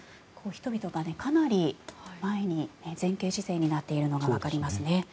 人々がかなり前に前傾姿勢になっているのがわかりますね。